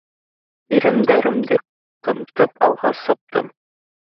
Ирендәремде ҡымтып, алға саптым.